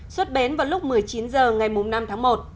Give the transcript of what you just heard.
xuất bến vào lúc một mươi chín h ngày năm tháng một